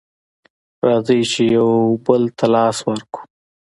راځئ چې يو بل ته لاس ورکړو